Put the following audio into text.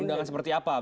undangan seperti apa